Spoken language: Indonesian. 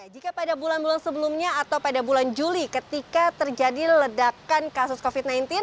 jika pada bulan bulan sebelumnya atau pada bulan juli ketika terjadi ledakan kasus covid sembilan belas